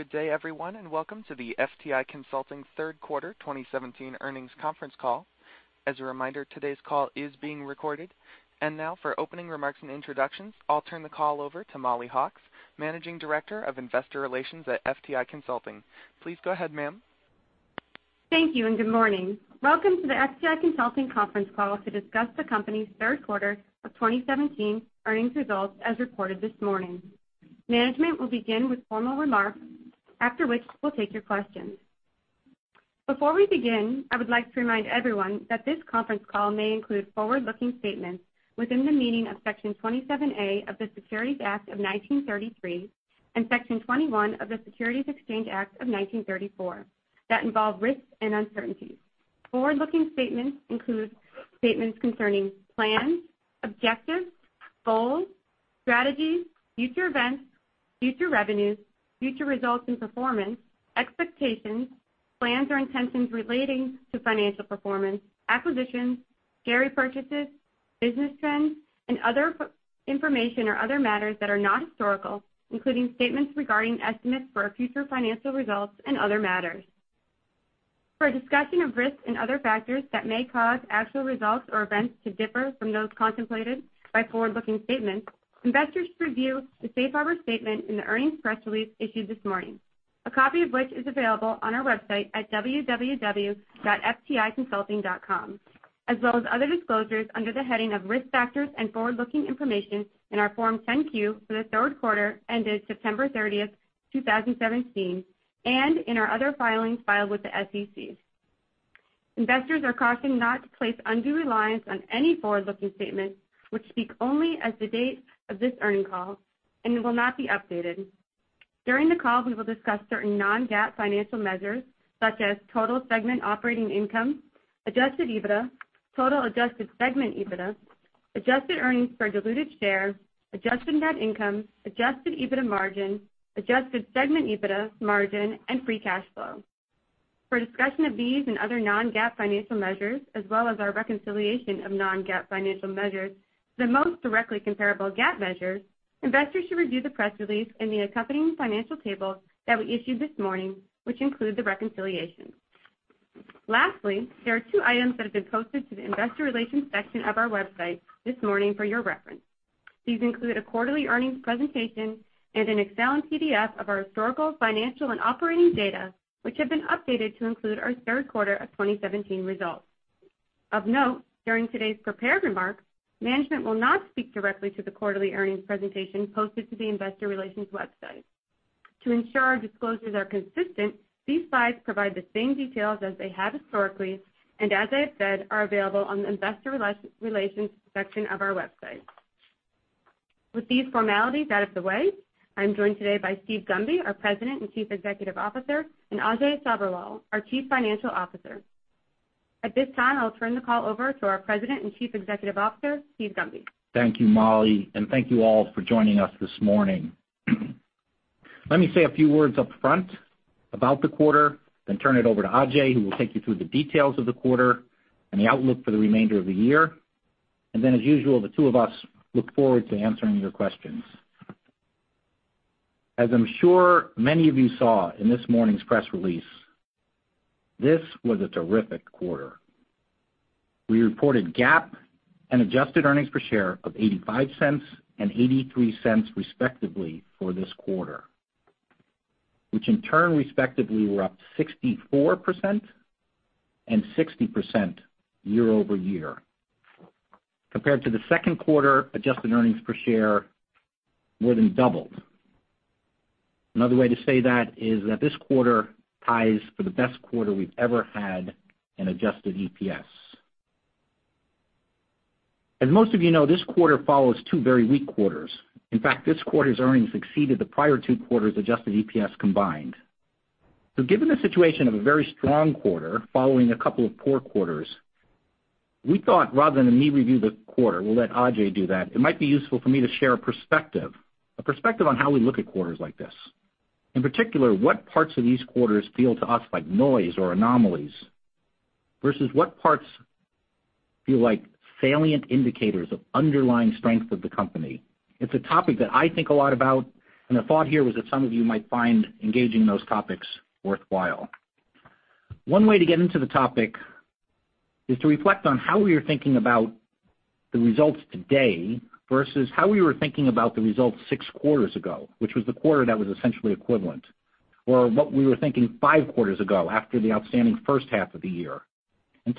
Good day everyone, welcome to the FTI Consulting third quarter 2017 earnings conference call. As a reminder, today's call is being recorded. Now for opening remarks and introductions, I'll turn the call over to Mollie Hawkes, Managing Director of Investor Relations at FTI Consulting. Please go ahead, ma'am. Thank you and good morning. Welcome to the FTI Consulting conference call to discuss the company's third quarter of 2017 earnings results, as reported this morning. Management will begin with formal remarks, after which we'll take your questions. Before we begin, I would like to remind everyone that this conference call may include forward-looking statements within the meaning of Section 27A of the Securities Act of 1933, and Section 21E of the Securities Exchange Act of 1934, that involve risks and uncertainties. Forward-looking statements include statements concerning plans, objectives, goals, strategies, future events, future revenues, future results and performance, expectations, plans or intentions relating to financial performance, acquisitions, share repurchases, business trends, and other information or other matters that are not historical, including statements regarding estimates for our future financial results and other matters. For a discussion of risks and other factors that may cause actual results or events to differ from those contemplated by forward-looking statements, investors should review the safe harbor statement in the earnings press release issued this morning, a copy of which is available on our website at www.fticonsulting.com, as well as other disclosures under the heading of Risk Factors & Forward-Looking Information in our Form 10-Q for the third quarter ended September 30, 2017, and in our other filings filed with the SEC. Investors are cautioned not to place undue reliance on any forward-looking statements which speak only as of the date of this earnings call and will not be updated. During the call, we will discuss certain non-GAAP financial measures such as total segment operating income, adjusted EBITDA, total adjusted segment EBITDA, adjusted earnings per diluted share, adjusted net income, adjusted EBITDA margin, adjusted segment EBITDA margin, and free cash flow. For a discussion of these and other non-GAAP financial measures, as well as our reconciliation of non-GAAP financial measures to the most directly comparable GAAP measures, investors should review the press release and the accompanying financial tables that we issued this morning, which include the reconciliations. Lastly, there are two items that have been posted to the investor relations section of our website this morning for your reference. These include a quarterly earnings presentation and an Excel and PDF of our historical financial and operating data, which have been updated to include our third quarter of 2017 results. Of note, during today's prepared remarks, management will not speak directly to the quarterly earnings presentation posted to the investor relations website. To ensure our disclosures are consistent, these slides provide the same details as they have historically and as I've said, are available on the investor relations section of our website. With these formalities out of the way, I'm joined today by Steve Gunby, our President and Chief Executive Officer, and Ajay Sabherwal, our Chief Financial Officer. At this time, I'll turn the call over to our President and Chief Executive Officer, Steve Gunby. Thank you, Mollie, and thank you all for joining us this morning. Let me say a few words up front about the quarter, then turn it over to Ajay, who will take you through the details of the quarter and the outlook for the remainder of the year. Then, as usual, the two of us look forward to answering your questions. As I'm sure many of you saw in this morning's press release, this was a terrific quarter. We reported GAAP and adjusted earnings per share of $0.85 and $0.83 respectively for this quarter, which in turn respectively were up 64% and 60% year-over-year. Compared to the second quarter, adjusted earnings per share more than doubled. Another way to say that is that this quarter ties for the best quarter we've ever had in adjusted EPS. As most of you know, this quarter follows two very weak quarters. In fact, this quarter's earnings exceeded the prior two quarters' adjusted EPS combined. Given the situation of a very strong quarter following a couple of poor quarters, we thought rather than me review the quarter, we'll let Ajay do that, it might be useful for me to share a perspective, a perspective on how we look at quarters like this. In particular, what parts of these quarters feel to us like noise or anomalies, versus what parts feel like salient indicators of underlying strength of the company. It's a topic that I think a lot about, and the thought here was that some of you might find engaging those topics worthwhile. One way to get into the topic is to reflect on how we are thinking about the results today versus how we were thinking about the results six quarters ago, which was the quarter that was essentially equivalent, or what we were thinking five quarters ago after the outstanding first half of the year.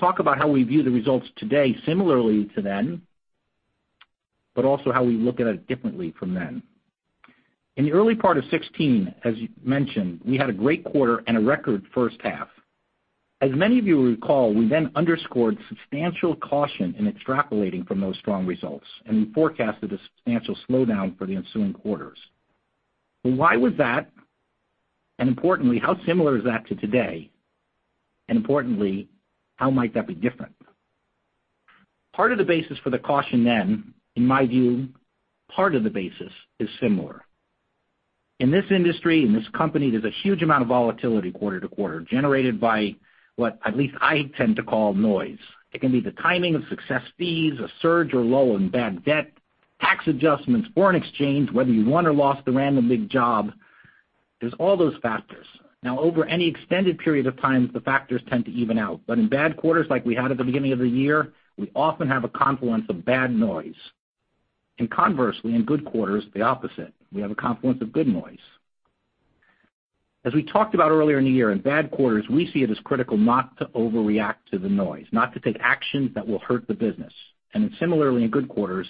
Talk about how we view the results today similarly to then, but also how we look at it differently from then. In the early part of 2016, as mentioned, we had a great quarter and a record first half. As many of you recall, we then underscored substantial caution in extrapolating from those strong results, and we forecasted a substantial slowdown for the ensuing quarters. Why was that? Importantly, how similar is that to today? Importantly, how might that be different? Part of the basis for the caution, in my view, part of the basis is similar. In this industry, in this company, there's a huge amount of volatility quarter to quarter generated by what at least I tend to call noise. It can be the timing of success fees, a surge or lull in bad debt tax adjustments, foreign exchange, whether you won or lost the random big job, there's all those factors. Over any extended period of time, the factors tend to even out. In bad quarters like we had at the beginning of the year, we often have a confluence of bad noise. Conversely, in good quarters, the opposite, we have a confluence of good noise. As we talked about earlier in the year, in bad quarters, we see it as critical not to overreact to the noise, not to take actions that will hurt the business. Similarly, in good quarters,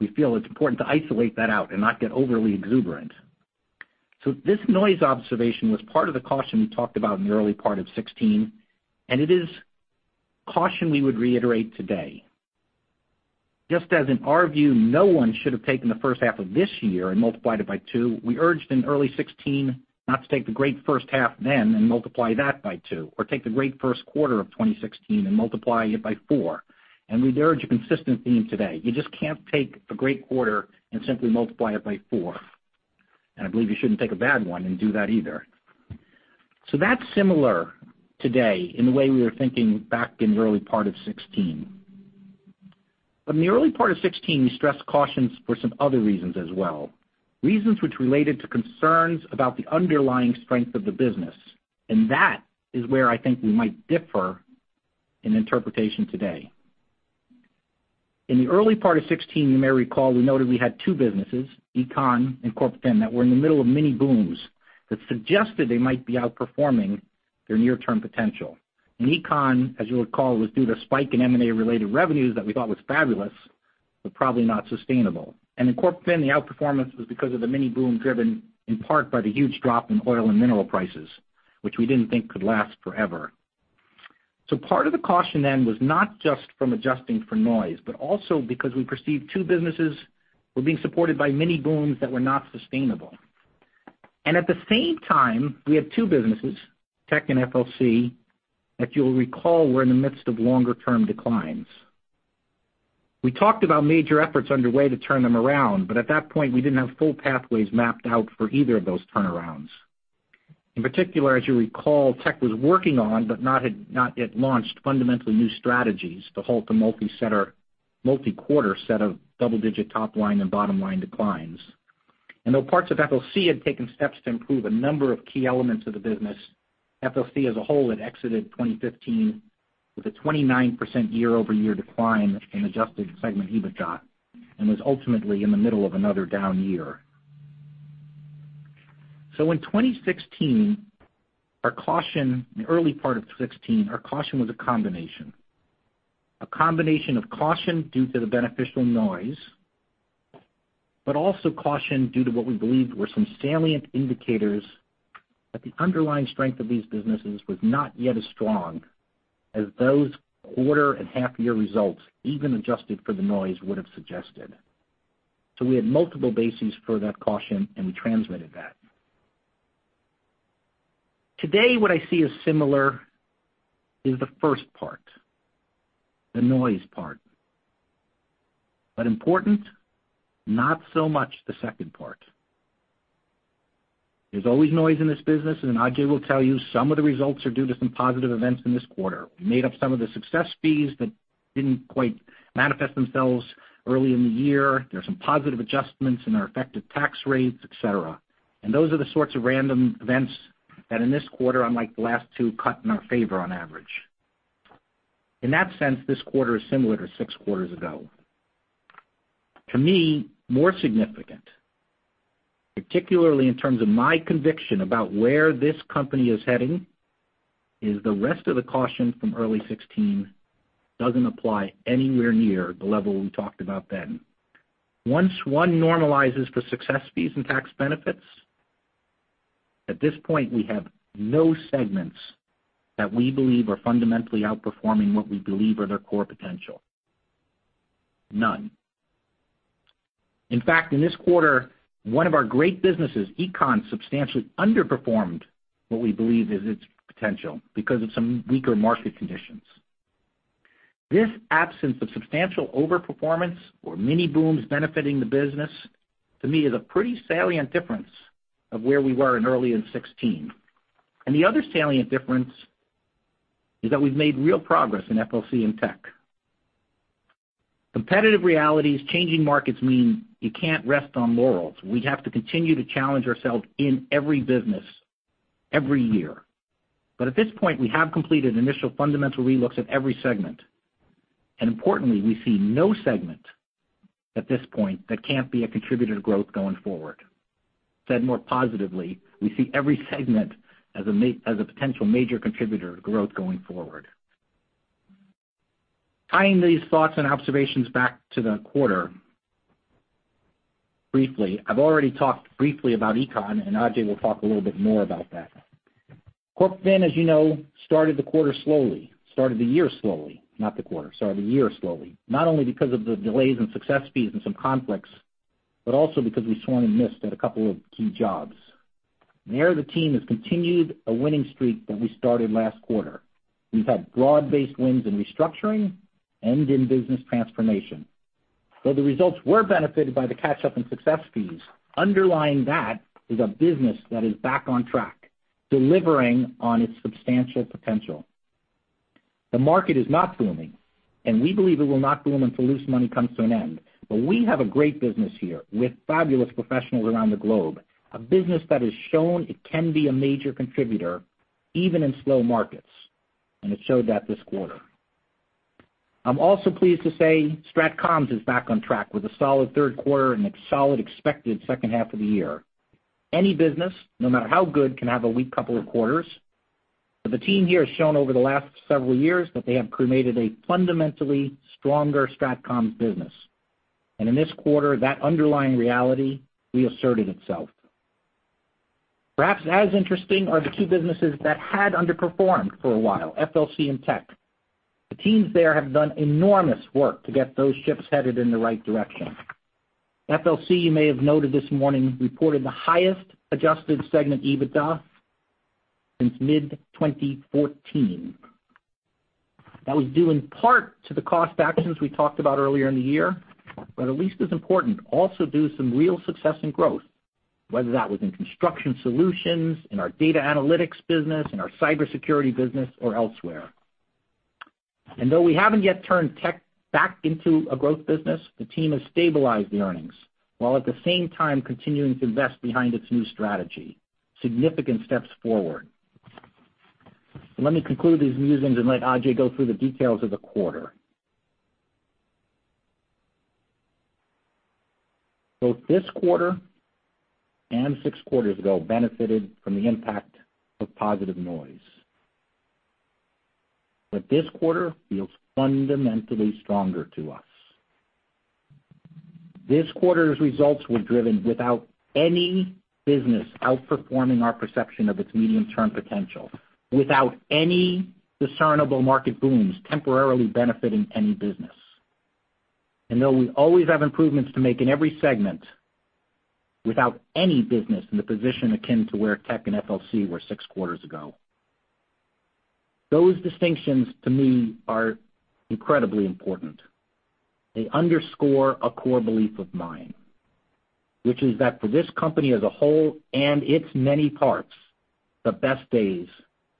we feel it's important to isolate that out and not get overly exuberant. This noise observation was part of the caution we talked about in the early part of 2016, and it is caution we would reiterate today. Just as in our view, no one should have taken the first half of this year and multiplied it by 2, we urged in early 2016 not to take the great first half and multiply that by 2, or take the great first quarter of 2016 and multiply it by 4. We urge a consistent theme today. You just can't take a great quarter and simply multiply it by 4. I believe you shouldn't take a bad one and do that either. That's similar today in the way we were thinking back in the early part of 2016. In the early part of 2016, we stressed cautions for some other reasons as well, reasons which related to concerns about the underlying strength of the business, and that is where I think we might differ in interpretation today. In the early part of 2016, you may recall we noted we had 2 businesses, Econ and Corp Fin, that were in the middle of mini-booms that suggested they might be outperforming their near-term potential. Econ, as you'll recall, was due to spike in M&A-related revenues that we thought was fabulous, but probably not sustainable. In Corp Fin, the outperformance was because of the mini-boom driven in part by the huge drop in oil and mineral prices, which we didn't think could last forever. Part of the caution then was not just from adjusting for noise, but also because we perceived 2 businesses were being supported by mini-booms that were not sustainable. At the same time, we had 2 businesses, Tech and FLC, that you'll recall were in the midst of longer-term declines. We talked about major efforts underway to turn them around, but at that point, we didn't have full pathways mapped out for either of those turnarounds. In particular, as you recall, Tech was working on, but not yet launched fundamentally new strategies to halt the multi-quarter set of double-digit top-line and bottom-line declines. Though parts of FLC had taken steps to improve a number of key elements of the business, FLC as a whole had exited 2015 with a 29% year-over-year decline in adjusted segment EBITDA, and was ultimately in the middle of another down year. In 2016, in the early part of 2016, our caution was a combination of caution due to the beneficial noise, also caution due to what we believed were some salient indicators that the underlying strength of these businesses was not yet as strong as those quarter and half-year results, even adjusted for the noise, would have suggested. We had multiple bases for that caution, and we transmitted that. Today, what I see as similar is the first part, the noise part. Important, not so much the second part. There's always noise in this business, Ajay will tell you some of the results are due to some positive events in this quarter. We made up some of the success fees that didn't quite manifest themselves early in the year. There's some positive adjustments in our effective tax rates, et cetera. Those are the sorts of random events that in this quarter, unlike the last two, cut in our favor on average. In that sense, this quarter is similar to six quarters ago. To me, more significant, particularly in terms of my conviction about where this company is heading, is the rest of the caution from early 2016 doesn't apply anywhere near the level we talked about then. Once one normalizes for success fees and tax benefits, at this point, we have no segments that we believe are fundamentally outperforming what we believe are their core potential. None. In fact, in this quarter, one of our great businesses, Econ, substantially underperformed what we believe is its potential because of some weaker market conditions. This absence of substantial overperformance or mini-booms benefiting the business, to me, is a pretty salient difference of where we were in early in 2016. The other salient difference is that we've made real progress in FLC and Tech. Competitive realities, changing markets mean you can't rest on laurels. We have to continue to challenge ourselves in every business every year. At this point, we have completed initial fundamental relooks at every segment. Importantly, we see no segment at this point that can't be a contributor to growth going forward. Said more positively, we see every segment as a potential major contributor to growth going forward. Tying these thoughts and observations back to the quarter briefly, I've already talked briefly about Econ, Ajay will talk a little bit more about that. Corp Fin, as you know, started the quarter slowly. Started the year slowly, not the quarter. Sorry, the year slowly. Not only because of the delays in success fees and some conflicts, also because we swung and missed at a couple of key jobs. There, the team has continued a winning streak that we started last quarter. We've had broad-based wins in restructuring and in business transformation. The results were benefited by the catch-up in success fees, underlying that is a business that is back on track, delivering on its substantial potential. The market is not booming, we believe it will not boom until loose money comes to an end. We have a great business here with fabulous professionals around the globe, a business that has shown it can be a major contributor even in slow markets, and it showed that this quarter. I'm also pleased to say Strat Comm is back on track with a solid third quarter and a solid expected second half of the year. Any business, no matter how good, can have a weak couple of quarters, but the team here has shown over the last several years that they have created a fundamentally stronger Strat Comm business. In this quarter, that underlying reality reasserted itself. Perhaps as interesting are the two businesses that had underperformed for a while, FLC and Tech. The teams there have done enormous work to get those ships headed in the right direction. FLC, you may have noted this morning, reported the highest adjusted segment EBITDA since mid-2014. That was due in part to the cost actions we talked about earlier in the year, but at least as important, also due to some real success and growth, whether that was in construction solutions, in our data analytics business, in our cybersecurity business, or elsewhere. Though we haven't yet turned Tech back into a growth business, the team has stabilized the earnings, while at the same time continuing to invest behind its new strategy. Significant steps forward. Let me conclude these musings and let Ajay go through the details of the quarter. Both this quarter and six quarters ago benefited from the impact of positive noise. This quarter feels fundamentally stronger to us. This quarter's results were driven without any business outperforming our perception of its medium-term potential, without any discernible market booms temporarily benefiting any business. Though we always have improvements to make in every segment, without any business in the position akin to where Tech and FLC were six quarters ago. Those distinctions, to me, are incredibly important. They underscore a core belief of mine, which is that for this company as a whole and its many parts, the best days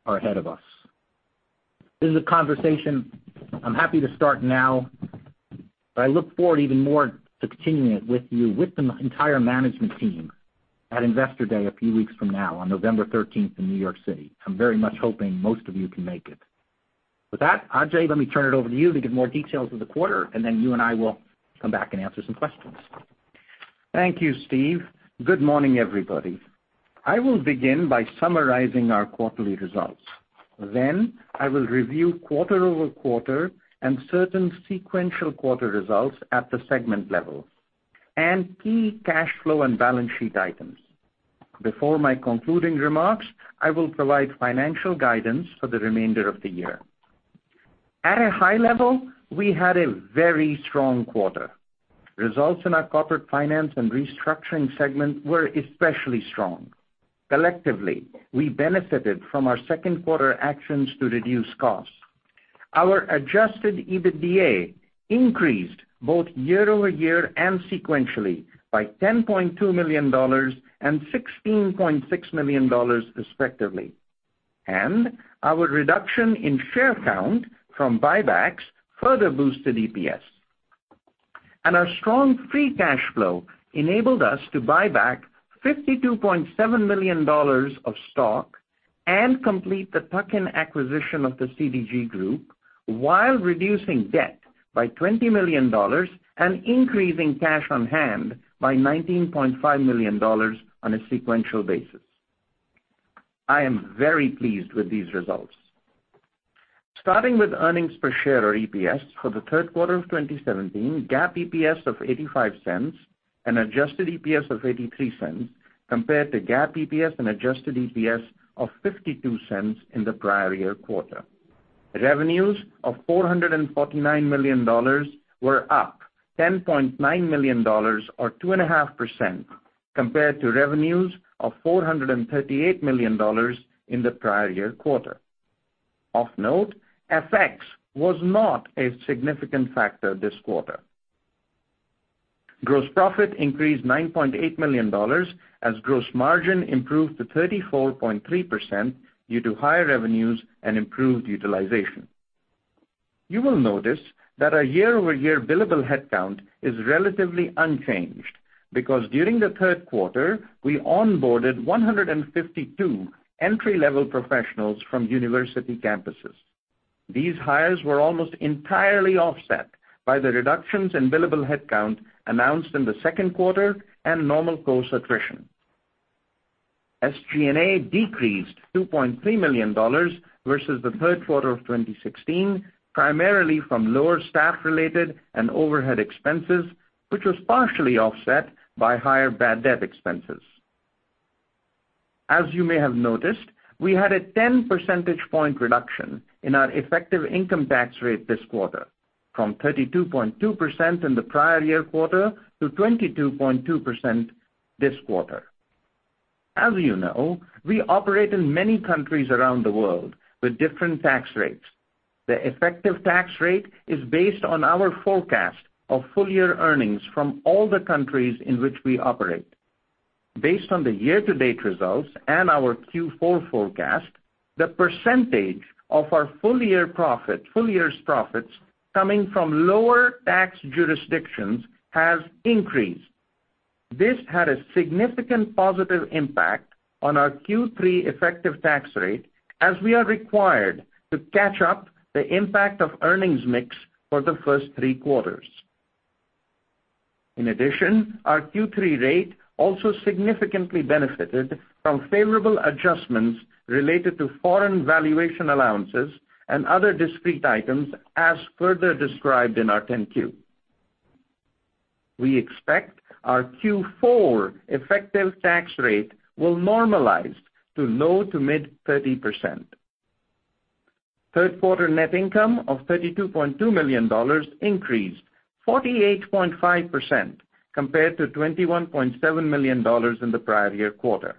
are ahead of us. This is a conversation I'm happy to start now, but I look forward even more to continuing it with you, with the entire management team at Investor Day a few weeks from now on November 13th in New York City. I'm very much hoping most of you can make it. With that, Ajay, let me turn it over to you to give more details of the quarter, and then you and I will come back and answer some questions. Thank you, Steve. Good morning, everybody. I will begin by summarizing our quarterly results. I will review quarter-over-quarter and certain sequential quarter results at the segment level and key cash flow and balance sheet items. Before my concluding remarks, I will provide financial guidance for the remainder of the year. At a high level, we had a very strong quarter. Results in our Corporate Finance & Restructuring segment were especially strong. Collectively, we benefited from our second quarter actions to reduce costs. Our adjusted EBITDA increased both year-over-year and sequentially by $10.2 million and $16.6 million, respectively. Our reduction in share count from buybacks further boosted EPS. Our strong free cash flow enabled us to buy back $52.7 million of stock and complete the tuck-in acquisition of the CDG Group while reducing debt by $20 million and increasing cash on hand by $19.5 million on a sequential basis. I am very pleased with these results. Starting with earnings per share or EPS for the third quarter of 2017, GAAP EPS of $0.85 and adjusted EPS of $0.83 compared to GAAP EPS and adjusted EPS of $0.52 in the prior year quarter. Revenues of $449 million were up $10.9 million or 2.5% compared to revenues of $438 million in the prior year quarter. Of note, FX was not a significant factor this quarter. Gross profit increased $9.8 million as gross margin improved to 34.3% due to higher revenues and improved utilization. You will notice that our year-over-year billable headcount is relatively unchanged because during the third quarter, we onboarded 152 entry-level professionals from university campuses. These hires were almost entirely offset by the reductions in billable headcount announced in the second quarter and normal course attrition. SG&A decreased $2.3 million versus the third quarter of 2016, primarily from lower staff-related and overhead expenses, which was partially offset by higher bad debt expenses. As you may have noticed, we had a 10 percentage point reduction in our effective income tax rate this quarter, from 32.2% in the prior year quarter to 22.2% this quarter. As you know, we operate in many countries around the world with different tax rates. The effective tax rate is based on our forecast of full-year earnings from all the countries in which we operate. Based on the year-to-date results and our Q4 forecast, the percentage of our full year's profits coming from lower tax jurisdictions has increased. This had a significant positive impact on our Q3 effective tax rate as we are required to catch up the impact of earnings mix for the first three quarters. In addition, our Q3 rate also significantly benefited from favorable adjustments related to foreign valuation allowances and other discrete items as further described in our 10-Q. We expect our Q4 effective tax rate will normalize to low to mid 30%. Third quarter net income of $32.2 million increased 48.5% compared to $21.7 million in the prior year quarter.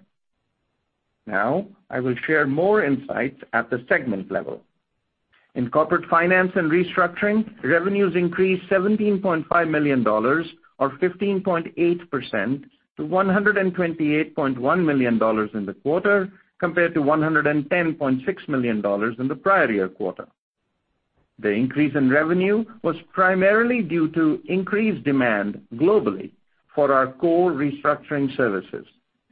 I will share more insights at the segment level. In Corporate Finance & Restructuring, revenues increased $17.5 million or 15.8% to $128.1 million in the quarter, compared to $110.6 million in the prior year quarter. The increase in revenue was primarily due to increased demand globally for our core restructuring services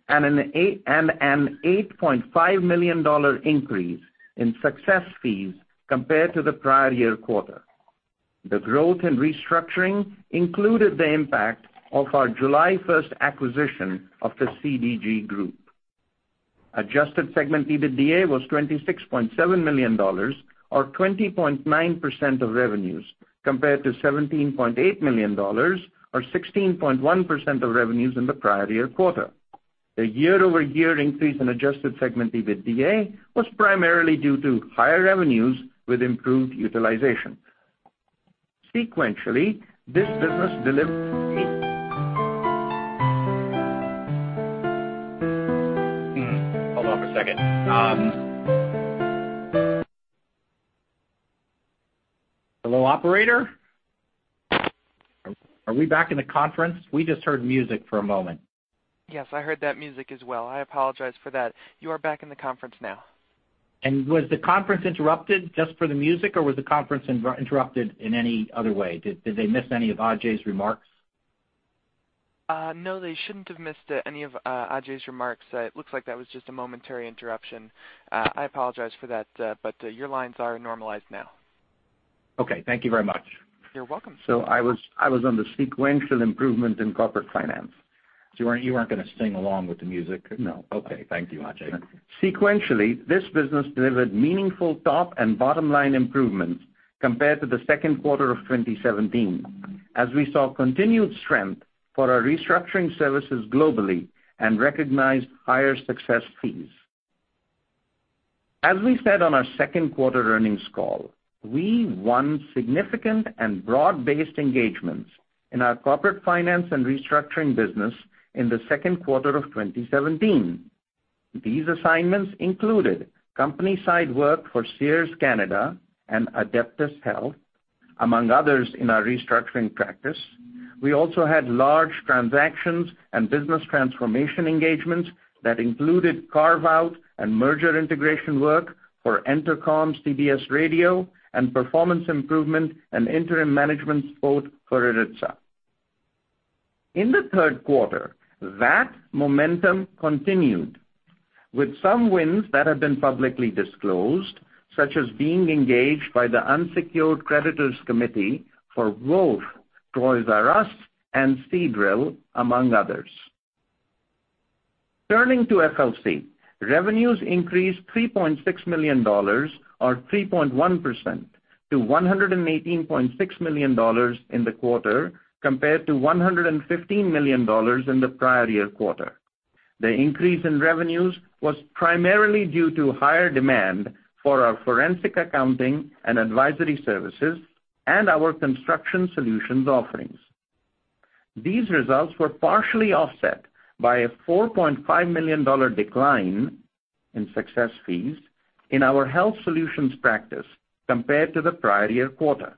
and an $8.5 million increase in success fees compared to the prior year quarter. The growth in restructuring included the impact of our July 1st acquisition of the CDG Group. Adjusted segment EBITDA was $26.7 million, or 20.9% of revenues, compared to $17.8 million or 16.1% of revenues in the prior year quarter. The year-over-year increase in adjusted segment EBITDA was primarily due to higher revenues with improved utilization. Sequentially, this business delivered- Hold on for a second. Hello, operator? Are we back in the conference? We just heard music for a moment. Yes, I heard that music as well. I apologize for that. You are back in the conference now. Was the conference interrupted just for the music, or was the conference interrupted in any other way? Did they miss any of Ajay's remarks? No, they shouldn't have missed any of Ajay's remarks. It looks like that was just a momentary interruption. I apologize for that. Your lines are normalized now. Okay, thank you very much. You're welcome. I was on the sequential improvement in corporate finance. You weren't going to sing along with the music? No. Okay. Thank you, Ajay. Sequentially, this business delivered meaningful top and bottom-line improvements compared to the second quarter of 2017 as we saw continued strength for our restructuring services globally and recognized higher success fees. As we said on our second quarter earnings call, we won significant and broad-based engagements in our Corporate Finance & Restructuring business in the second quarter of 2017. These assignments included company-side work for Sears Canada and Adeptus Health, among others in our restructuring practice. We also had large transactions and business transformation engagements that included carve-out and merger integration work for Entercom, CBS Radio and performance improvement and interim management support for Aritzia. In the third quarter, that momentum continued with some wins that have been publicly disclosed, such as being engaged by the unsecured creditors committee for both Toys "R" Us and Seadrill, among others. Turning to FLC, revenues increased $3.6 million or 3.1% to $118.6 million in the quarter, compared to $115 million in the prior year quarter. The increase in revenues was primarily due to higher demand for our forensic accounting and advisory services and our construction solutions offerings. These results were partially offset by a $4.5 million decline in success fees in our health solutions practice compared to the prior year quarter.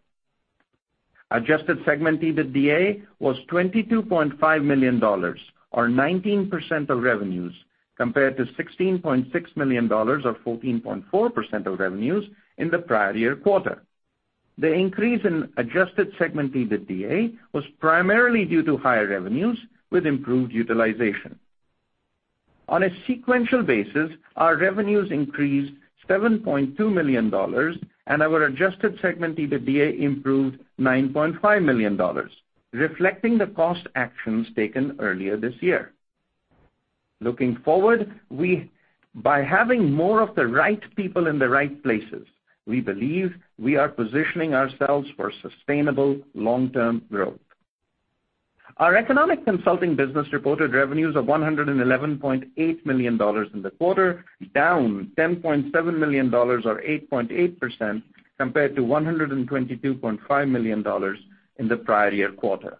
Adjusted segment EBITDA was $22.5 million or 19% of revenues, compared to $16.6 million or 14.4% of revenues in the prior year quarter. The increase in adjusted segment EBITDA was primarily due to higher revenues with improved utilization. On a sequential basis, our revenues increased $7.2 million and our adjusted segment EBITDA improved $9.5 million, reflecting the cost actions taken earlier this year. Looking forward, by having more of the right people in the right places, we believe we are positioning ourselves for sustainable long-term growth. Our Economic Consulting business reported revenues of $111.8 million in the quarter, down $10.7 million or 8.8% compared to $122.5 million in the prior year quarter.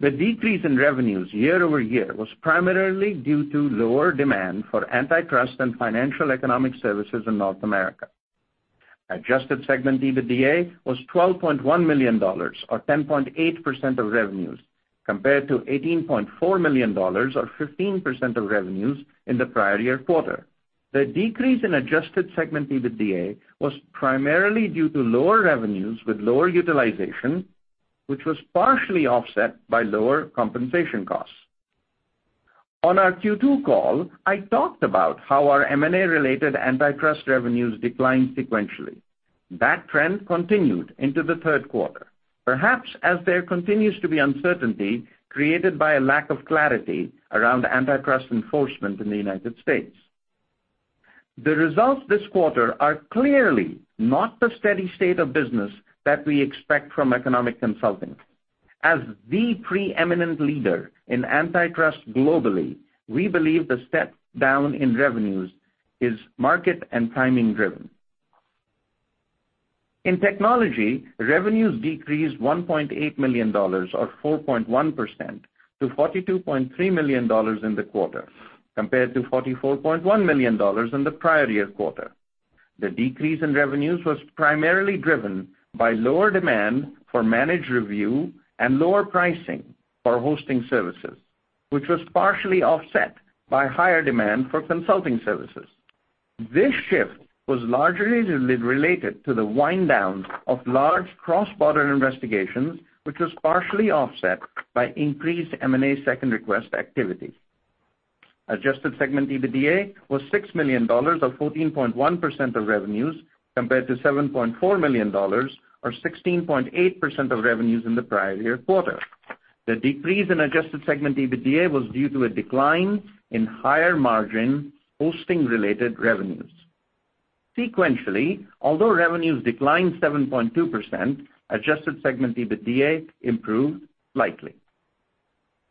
The decrease in revenues year-over-year was primarily due to lower demand for antitrust and financial economic services in North America. Adjusted segment EBITDA was $12.1 million or 10.8% of revenues, compared to $18.4 million or 15% of revenues in the prior year quarter. The decrease in adjusted segment EBITDA was primarily due to lower revenues with lower utilization, which was partially offset by lower compensation costs. On our Q2 call, I talked about how our M&A related antitrust revenues declined sequentially. That trend continued into the third quarter, perhaps as there continues to be uncertainty created by a lack of clarity around antitrust enforcement in the U.S. The results this quarter are clearly not the steady state of business that we expect from Economic Consulting. As the preeminent leader in antitrust globally, we believe the step down in revenues is market and timing driven. In Technology, revenues decreased $1.8 million, or 4.1%, to $42.3 million in the quarter, compared to $44.1 million in the prior year quarter. The decrease in revenues was primarily driven by lower demand for managed review and lower pricing for hosting services, which was partially offset by higher demand for consulting services. This shift was largely related to the wind-down of large cross-border investigations, which was partially offset by increased M&A second request activity. Adjusted segment EBITDA was $6 million, or 14.1% of revenues, compared to $7.4 million, or 16.8% of revenues in the prior year quarter. The decrease in adjusted segment EBITDA was due to a decline in higher margin hosting related revenues. Sequentially, although revenues declined 7.2%, adjusted segment EBITDA improved slightly.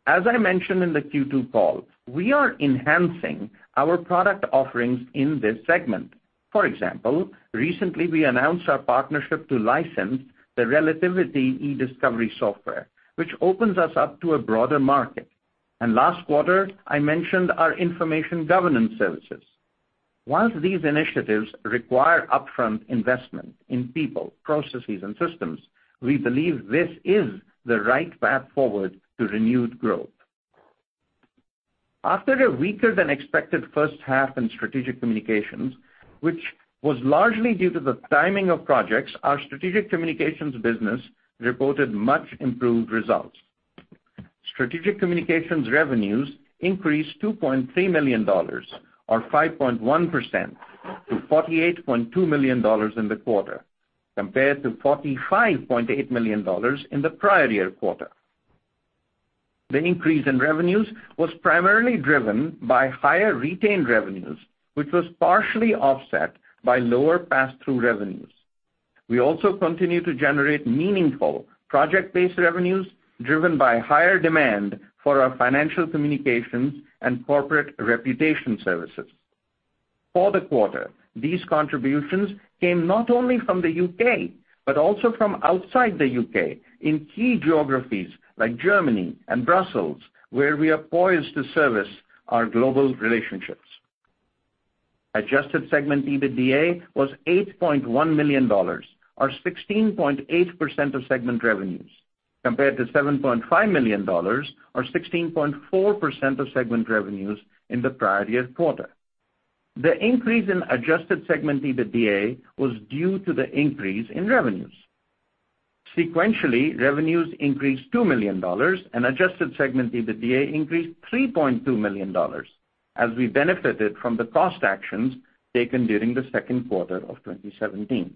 As I mentioned in the Q2 call, we are enhancing our product offerings in this segment. For example, recently we announced our partnership to license the Relativity eDiscovery software, which opens us up to a broader market. Last quarter, I mentioned our information governance services. While these initiatives require upfront investment in people, processes and systems, we believe this is the right path forward to renewed growth. After a weaker than expected first half in Strategic Communications, which was largely due to the timing of projects, our Strategic Communications business reported much improved results. Strategic Communications revenues increased $2.3 million, or 5.1%, to $48.2 million in the quarter, compared to $45.8 million in the prior year quarter. The increase in revenues was primarily driven by higher retained revenues, which was partially offset by lower pass-through revenues. We also continue to generate meaningful project-based revenues driven by higher demand for our financial communications and corporate reputation services. For the quarter, these contributions came not only from the U.K., but also from outside the U.K. in key geographies like Germany and Brussels, where we are poised to service our global relationships. Adjusted segment EBITDA was $8.1 million, or 16.8% of segment revenues, compared to $7.5 million, or 16.4% of segment revenues in the prior year quarter. The increase in adjusted segment EBITDA was due to the increase in revenues. Sequentially, revenues increased $2 million and adjusted segment EBITDA increased $3.2 million, as we benefited from the cost actions taken during the second quarter of 2017.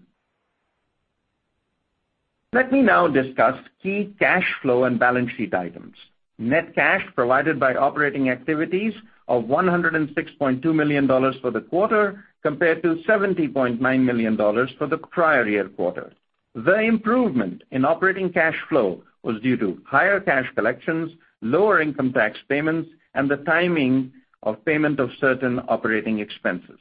Let me now discuss key cash flow and balance sheet items. Net cash provided by operating activities of $106.2 million for the quarter, compared to $70.9 million for the prior year quarter. The improvement in operating cash flow was due to higher cash collections, lower income tax payments, and the timing of payment of certain operating expenses.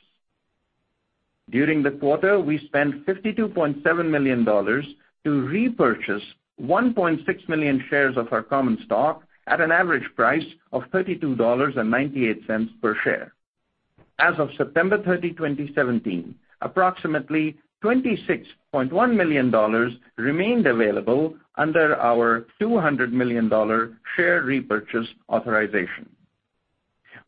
During the quarter, we spent $52.7 million to repurchase 1.6 million shares of our common stock at an average price of $32.98 per share. As of September 30, 2017, approximately $26.1 million remained available under our $200 million share repurchase authorization.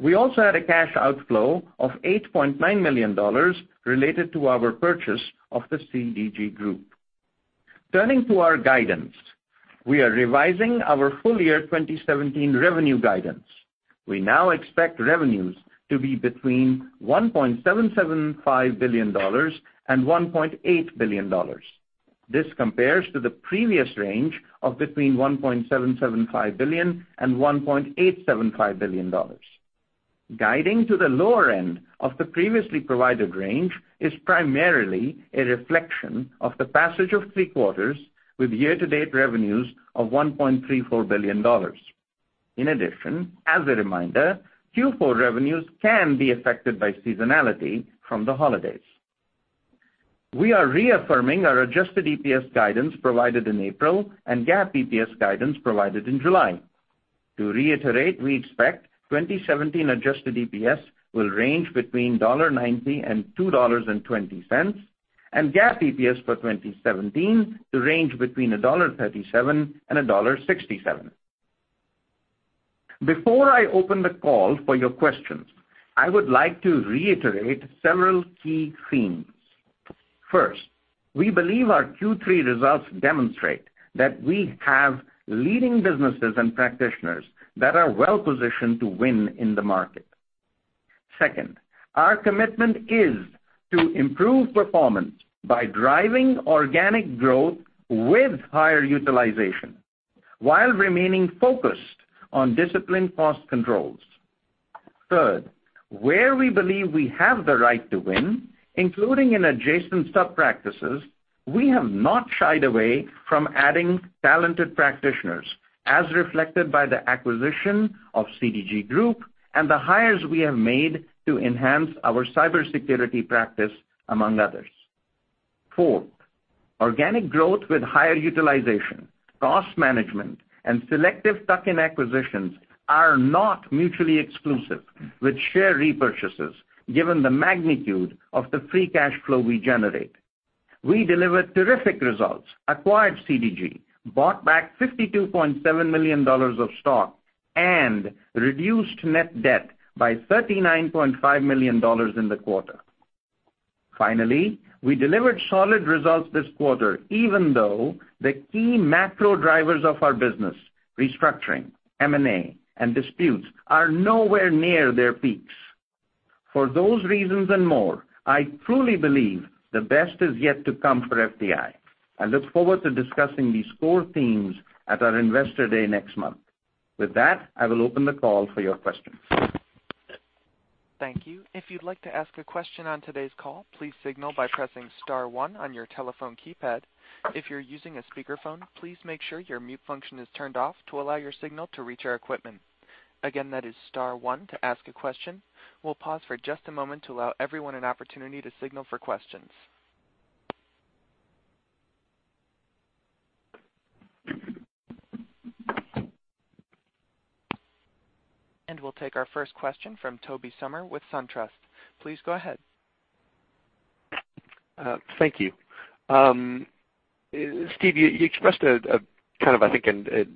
We also had a cash outflow of $8.9 million related to our purchase of the CDG Group. Turning to our guidance. We are revising our full year 2017 revenue guidance. We now expect revenues to be between $1.775 billion and $1.8 billion. This compares to the previous range of between $1.775 billion and $1.875 billion. Guiding to the lower end of the previously provided range is primarily a reflection of the passage of three quarters with year-to-date revenues of $1.34 billion. In addition, as a reminder, Q4 revenues can be affected by seasonality from the holidays. We are reaffirming our adjusted EPS guidance provided in April and GAAP EPS guidance provided in July. To reiterate, we expect 2017 adjusted EPS will range between $1.90 and $2.20, and GAAP EPS for 2017 to range between $1.37 and $1.67. Before I open the call for your questions, I would like to reiterate several key themes. First, we believe our Q3 results demonstrate that we have leading businesses and practitioners that are well-positioned to win in the market. Second, our commitment is to improve performance by driving organic growth with higher utilization while remaining focused on disciplined cost controls. Third, where we believe we have the right to win, including in adjacent sub-practices, we have not shied away from adding talented practitioners, as reflected by the acquisition of CDG Group and the hires we have made to enhance our cybersecurity practice, among others. Fourth, organic growth with higher utilization, cost management, and selective tuck-in acquisitions are not mutually exclusive with share repurchases, given the magnitude of the free cash flow we generate. We delivered terrific results, acquired CDG, bought back $52.7 million of stock, and reduced net debt by $39.5 million in the quarter. Finally, we delivered solid results this quarter, even though the key macro drivers of our business, restructuring, M&A, and disputes are nowhere near their peaks. For those reasons and more, I truly believe the best is yet to come for FTI. I look forward to discussing these core themes at our Investor Day next month. With that, I will open the call for your questions. Thank you. If you'd like to ask a question on today's call, please signal by pressing star one on your telephone keypad. If you're using a speakerphone, please make sure your mute function is turned off to allow your signal to reach our equipment. Again, that is star one to ask a question. We'll pause for just a moment to allow everyone an opportunity to signal for questions. We'll take our first question from Tobey Sommer with SunTrust. Please go ahead. Thank you. Steve, you expressed a kind of, I think, a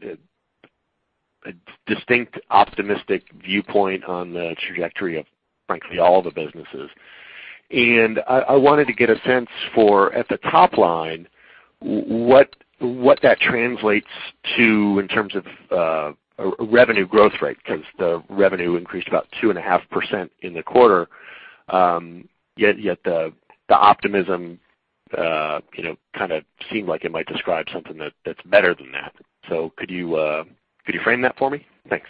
distinct optimistic viewpoint on the trajectory of, frankly, all the businesses. I wanted to get a sense for, at the top line, what that translates to in terms of revenue growth rate, because the revenue increased about 2.5% in the quarter, yet the optimism kind of seemed like it might describe something that's better than that. Could you frame that for me? Thanks.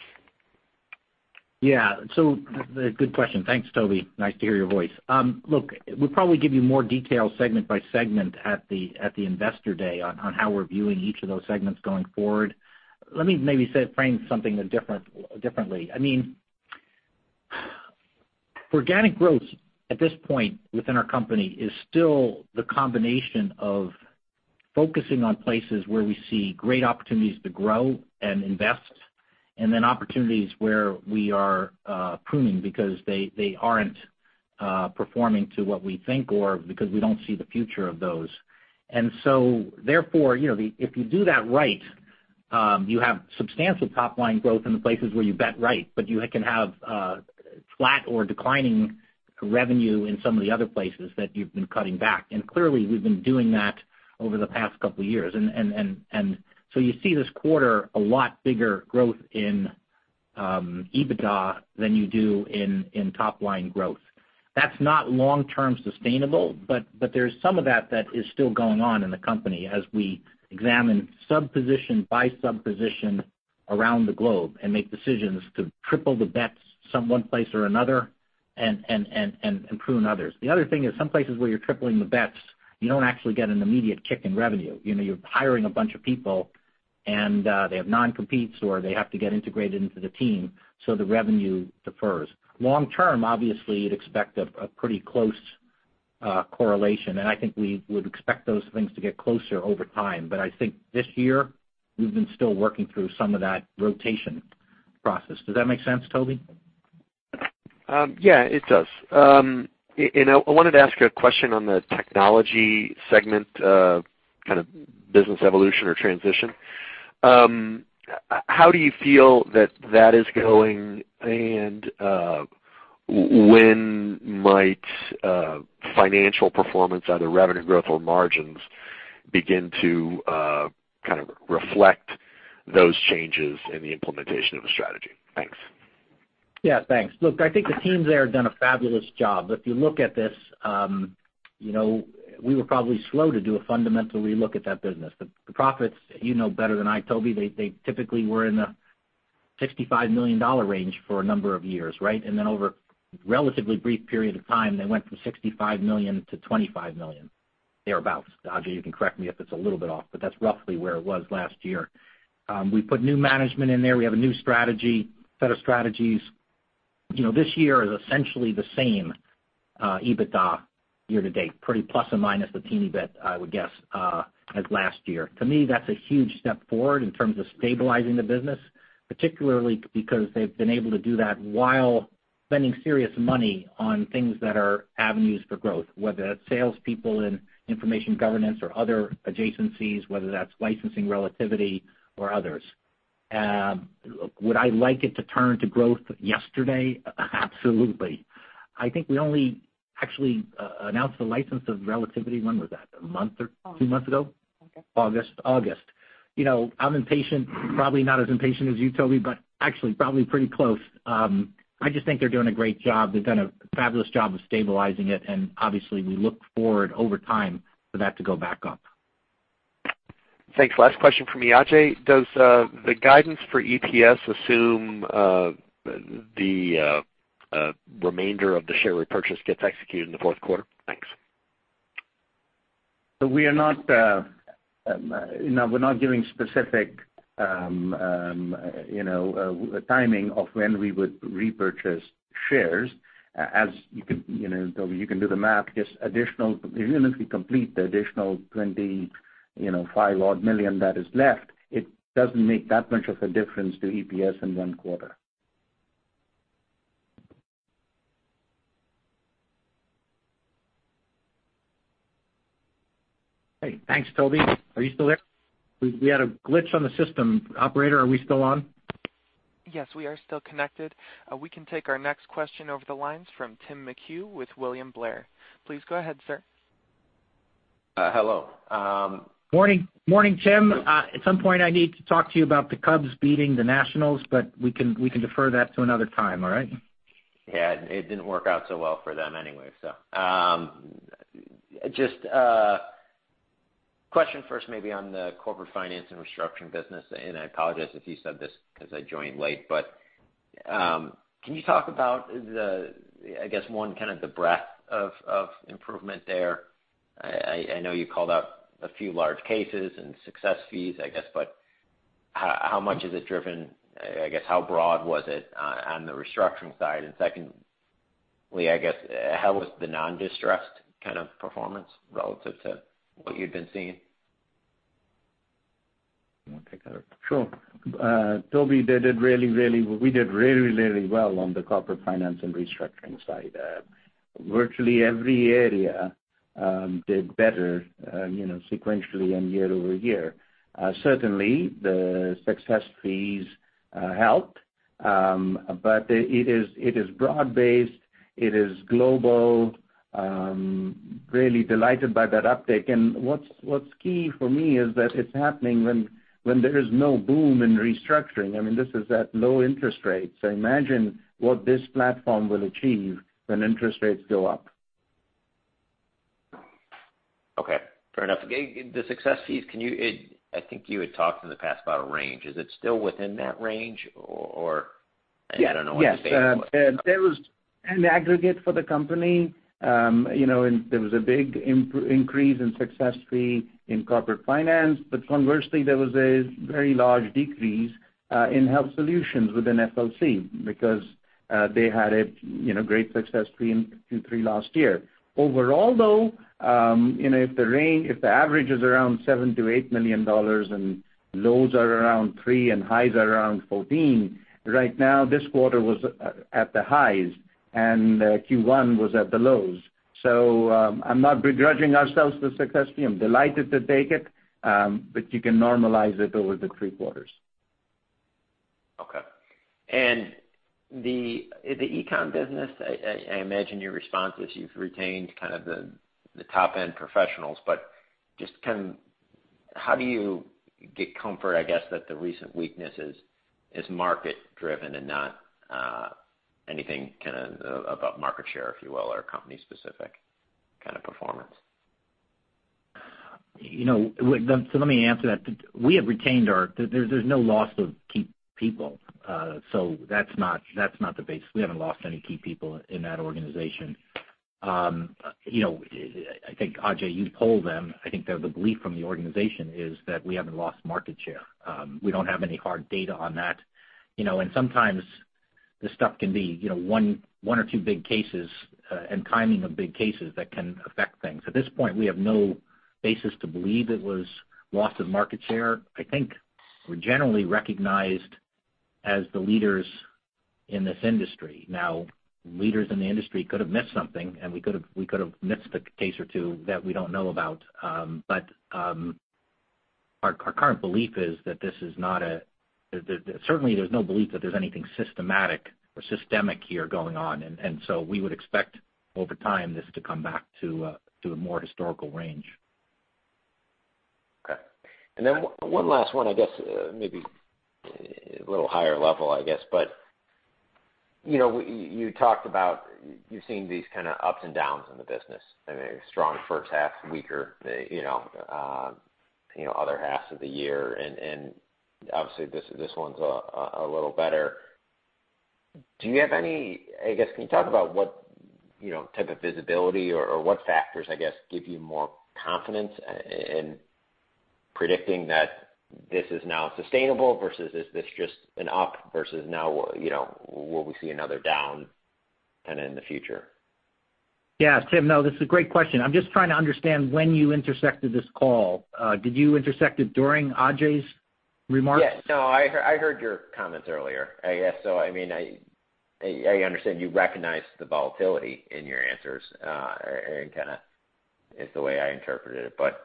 Yeah. Good question. Thanks, Tobey. Nice to hear your voice. Look, we'll probably give you more detail segment by segment at the Investor Day on how we're viewing each of those segments going forward. Let me maybe frame something differently. Organic growth at this point within our company is still the combination of focusing on places where we see great opportunities to grow and invest, and then opportunities where we are pruning because they aren't performing to what we think or because we don't see the future of those. Therefore, if you do that right you have substantial top-line growth in the places where you bet right, but you can have flat or declining revenue in some of the other places that you've been cutting back. Clearly, we've been doing that over the past couple of years. You see this quarter a lot bigger growth in EBITDA than you do in top-line growth. That's not long-term sustainable, but there's some of that that is still going on in the company as we examine sub-position by sub-position around the globe and make decisions to triple the bets some one place or another and prune others. The other thing is some places where you're tripling the bets, you don't actually get an immediate kick in revenue. You're hiring a bunch of people, and they have non-competes or they have to get integrated into the team, so the revenue defers. Long term, obviously, you'd expect a pretty close correlation, and I think we would expect those things to get closer over time. But I think this year, we've been still working through some of that rotation process. Does that make sense, Tobey? Yeah, it does. I wanted to ask a question on the Technology segment kind of business evolution or transition. How do you feel that that is going, and when might financial performance, either revenue growth or margins, begin to kind of reflect those changes in the implementation of the strategy? Thanks. Yeah, thanks. Look, I think the teams there have done a fabulous job. If you look at this we were probably slow to do a fundamental relook at that business. The profits, you know better than I, Tobey, they typically were in the $65 million range for a number of years, right? Over a relatively brief period of time, they went from $65 million to $25 million, thereabout. Ajay, you can correct me if it's a little bit off, but that's roughly where it was last year. We put new management in there. We have a new set of strategies This year is essentially the same EBITDA year-to-date, pretty plus or minus a teeny bit, I would guess, as last year. To me, that's a huge step forward in terms of stabilizing the business, particularly because they've been able to do that while spending serious money on things that are avenues for growth, whether that's salespeople in information governance or other adjacencies, whether that's licensing Relativity or others. Would I like it to turn to growth yesterday? Absolutely. I think we only actually announced the license of Relativity. When was that? A month or two months ago? August. August. I'm impatient, probably not as impatient as you, Tobey, but actually probably pretty close. I just think they're doing a great job. They've done a fabulous job of stabilizing it, and obviously, we look forward over time for that to go back up. Thanks. Last question from me. Ajay, does the guidance for EPS assume the remainder of the share repurchase gets executed in the fourth quarter? Thanks. We're not giving specific timing of when we would repurchase shares. As you can do the math, even if we complete the additional $25 odd million that is left, it doesn't make that much of a difference to EPS in one quarter. Hey, thanks, Tobey. Are you still there? We had a glitch on the system. Operator, are we still on? Yes, we are still connected. We can take our next question over the lines from Tim McHugh with William Blair. Please go ahead, sir. Hello. Morning, Tim. At some point, I need to talk to you about the Cubs beating the Nationals, we can defer that to another time, all right? Yeah. It didn't work out so well for them anyway. Just a question first maybe on the Corporate Finance & Restructuring business, I apologize if you said this because I joined late, but can you talk about the, I guess, one, kind of the breadth of improvement there? I know you called out a few large cases and success fees, I guess, but how much is it driven? I guess, how broad was it on the restructuring side? Secondly, I guess, how was the non-distressed kind of performance relative to what you've been seeing? You want to take that or Sure. Tobey, we did really, really well on the Corporate Finance & Restructuring side. Virtually every area did better sequentially and year-over-year. Certainly, the success fees helped, but it is broad-based. It is global. Really delighted by that uptick. What's key for me is that it's happening when there is no boom in restructuring. I mean, this is at low interest rates. Imagine what this platform will achieve when interest rates go up. Okay. Fair enough. The success fees, I think you had talked in the past about a range. Is it still within that range or- Yes I don't know what the base was. There was an aggregate for the company. There was a big increase in Corporate Finance success fee, but conversely, there was a very large decrease in health solutions within FLC because they had a great success fee in Q3 last year. Overall, though, if the average is around $7 million to $8 million, and lows are around three and highs are around 14, right now, this quarter was at the highs, and Q1 was at the lows. I'm not begrudging ourselves the success fee. I'm delighted to take it, but you can normalize it over the three quarters. Okay. The Econ business, I imagine your response is you've retained kind of the top-end professionals, but just how do you get comfort, I guess, that the recent weakness is market-driven and not anything kind of about market share, if you will, or company-specific kind of performance? Let me answer that. We have retained our-- there's no loss of key people. That's not the base. We haven't lost any key people in that organization. I think, Ajay, you polled them. I think the belief from the organization is that we haven't lost market share. We don't have any hard data on that. Sometimes this stuff can be one or two big cases and timing of big cases that can affect things. At this point, we have no basis to believe it was loss of market share. I think we're generally recognized as the leaders in this industry. Now, leaders in the industry could have missed something, and we could have missed a case or two that we don't know about. Our current belief is that this is not a-- certainly there's no belief that there's anything systematic or systemic here going on. We would expect over time this to come back to a more historical range. Okay. One last one, I guess maybe a little higher level, I guess. You talked about you've seen these kind of ups and downs in the business. I mean, a strong first half, weaker other half of the year, and obviously this one's a little better. Can you talk about what type of visibility or what factors, I guess, give you more confidence in predicting that this is now sustainable versus is this just an up versus now will we see another down kind of in the future? Yeah, Tim, this is a great question. I'm just trying to understand when you intersected this call. Did you intersect it during Ajay's remarks? Yeah. I heard your comments earlier. I understand you recognize the volatility in your answers, and kind of is the way I interpreted it.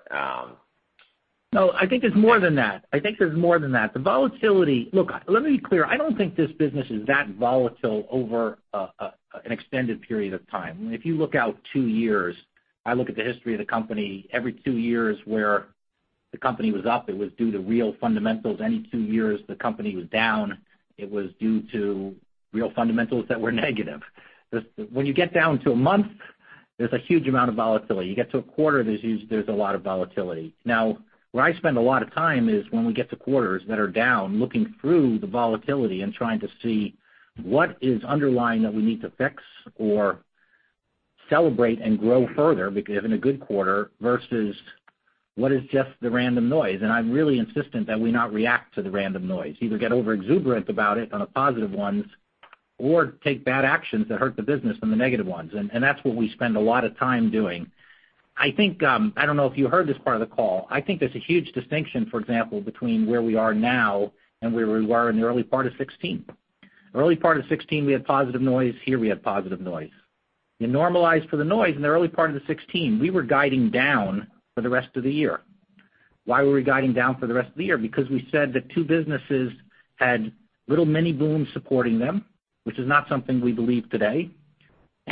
I think there's more than that. I think there's more than that. Look, let me be clear. I don't think this business is that volatile over an extended period of time. If you look out two years, I look at the history of the company every two years where the company was up, it was due to real fundamentals. Any two years the company was down, it was due to real fundamentals that were negative. When you get down to a month, there's a huge amount of volatility. You get to a quarter, there's a lot of volatility. Where I spend a lot of time is when we get to quarters that are down, looking through the volatility and trying to see what is underlying that we need to fix or celebrate and grow further because if in a good quarter versus what is just the random noise. I'm really insistent that we not react to the random noise, either get over-exuberant about it on the positive ones or take bad actions that hurt the business on the negative ones. That's what we spend a lot of time doing. I don't know if you heard this part of the call. I think there's a huge distinction, for example, between where we are now and where we were in the early part of 2016. Early part of 2016, we had positive noise. Here we had positive noise. You normalize for the noise in the early part of the 2016, we were guiding down for the rest of the year. Why were we guiding down for the rest of the year? Because we said that two businesses had little mini-booms supporting them, which is not something we believe today.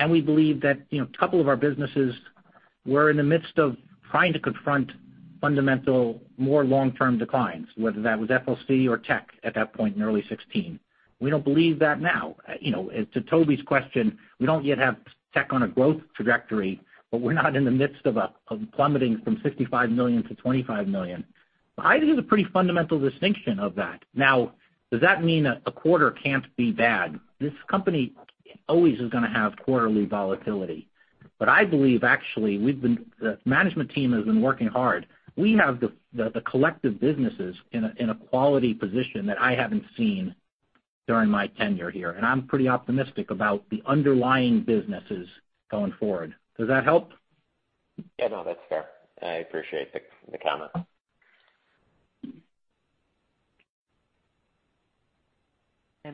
We believe that a couple of our businesses were in the midst of trying to confront fundamental, more long-term declines, whether that was FLC or Tech at that point in early 2016. We don't believe that now. To Tobey's question, we don't yet have Tech on a growth trajectory, but we're not in the midst of plummeting from $65 million to $25 million. I think there's a pretty fundamental distinction of that. Does that mean a quarter can't be bad? This company always is going to have quarterly volatility. I believe, actually, the management team has been working hard. We have the collective businesses in a quality position that I haven't seen during my tenure here, and I'm pretty optimistic about the underlying businesses going forward. Does that help? Yeah, no, that's fair. I appreciate the comment.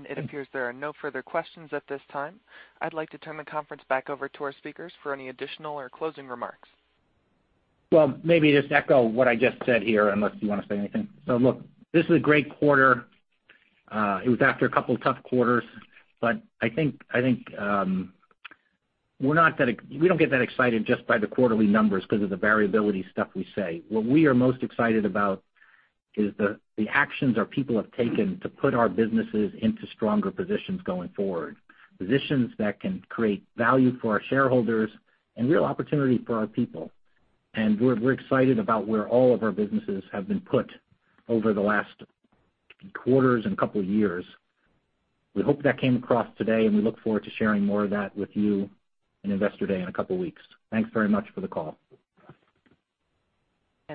It appears there are no further questions at this time. I'd like to turn the conference back over to our speakers for any additional or closing remarks. Maybe just echo what I just said here, unless you want to say anything. Look, this is a great quarter. It was after a couple of tough quarters, but I think we don't get that excited just by the quarterly numbers because of the variability stuff we say. What we are most excited about is the actions our people have taken to put our businesses into stronger positions going forward, positions that can create value for our shareholders and real opportunity for our people. We're excited about where all of our businesses have been put over the last quarters and couple years. We hope that came across today, and we look forward to sharing more of that with you in Investor Day in a couple of weeks. Thanks very much for the call.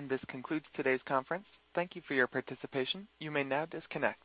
This concludes today's conference. Thank you for your participation. You may now disconnect.